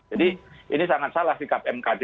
jadi ini sangat salah sikap mkd